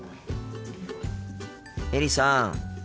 エリさん。